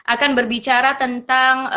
akan berbicara tentang